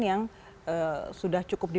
yang sudah cukup